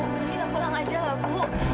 ibu kita pulang aja lah bu